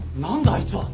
あいつは。